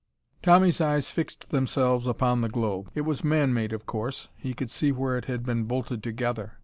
Tommy's eyes fixed themselves upon the globe. It was man made, of course. He could see where it had been bolted together.